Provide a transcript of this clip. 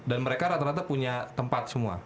dan mereka rata rata punya tempat semua